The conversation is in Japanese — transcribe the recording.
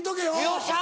よっしゃ！